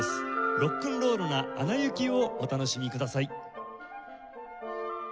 ロックンロールな『アナ雪』をお楽しみください。